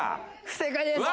不正解です。